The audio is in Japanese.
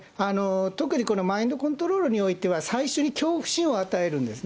特にこのマインドコントロールにおいては、最初に恐怖心を与えるんですね。